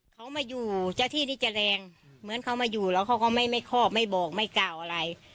เขามาอยู่เจ้าที่นี่จะแรงเหมือนเขามาอยู่แล้วเขาก็ไม่คอบไม่บอกไม่กล่าวอะไร